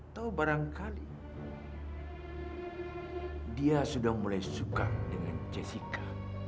atau barangkali dia sudah mulai suka dengan jessica